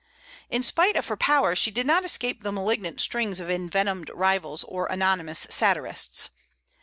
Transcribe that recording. In spite of her power, she did not escape the malignant stings of envenomed rivals or anonymous satirists.